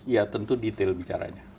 ya tentu detail bicaranya